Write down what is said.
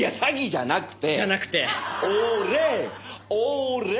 じゃなくて。